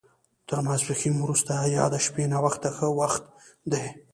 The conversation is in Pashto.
تر ماسپښین وروسته یا د شپې ناوخته ښه وخت دی.